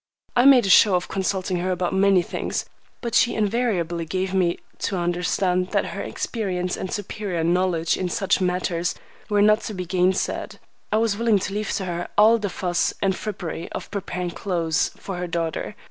I made a show of consulting her about many things, but she invariably gave me to understand that her experience and superior knowledge in such matters were not to be gainsaid. I was willing to leave to her all the fuss and frippery of preparing clothes for her daughter.